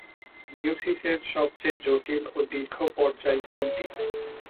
মিয়োসিসের সবচেয়ে জটিল ও দীর্ঘ পর্যায় কোনটি?